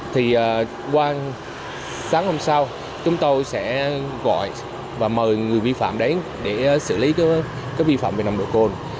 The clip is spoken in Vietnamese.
thì qua sáng hôm sau chúng tôi sẽ gọi và mời người vi phạm đến để xử lý cái vi phạm về nồng độ cồn